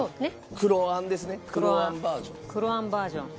黒あんバージョン。